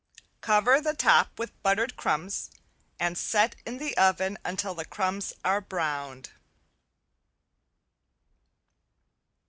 Cover the top with buttered crumbs and set in the oven until the crumbs are browned.